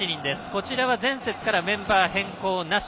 こちらは前節からメンバー変更なし。